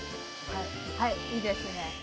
はいいいですね。